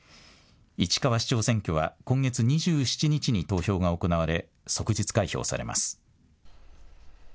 市川市長選挙は今月２７日に投票が行われ、即日開票されます。